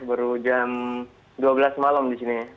baru jam dua belas malam di sini